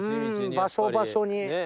場所場所に。